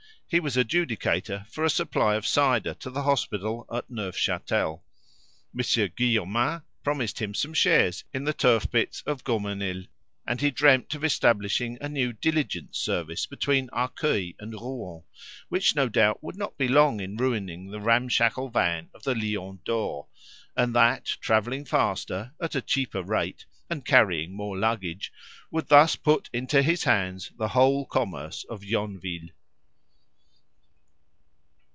He was adjudicator for a supply of cider to the hospital at Neufchâtel; Monsieur Guillaumin promised him some shares in the turf pits of Gaumesnil, and he dreamt of establishing a new diligence service between Arcueil and Rouen, which no doubt would not be long in ruining the ramshackle van of the "Lion d'Or," and that, travelling faster, at a cheaper rate, and carrying more luggage, would thus put into his hands the whole commerce of Yonville.